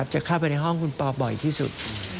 จะเข้าไปในห้องคุณปอบ่อยที่สุด